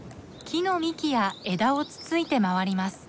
木の幹や枝をつついて回ります。